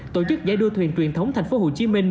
tổ chức giải đua thuyền truyền thống tp hcm